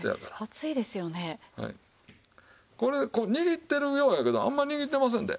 これこう握ってるようやけどあんまり握ってませんで。